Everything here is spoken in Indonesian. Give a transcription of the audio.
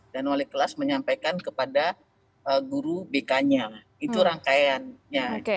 dan wali kelas menyampaikan kepada guru bk nya itu rangkaiannya